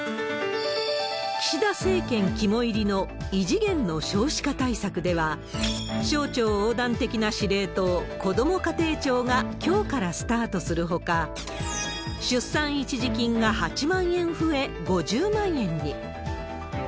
岸田政権肝煎りの異次元の少子化対策では、省庁横断的な司令塔、こども家庭庁がきょうからスタートするほか、出産一時金が８万円増え、５０万円に。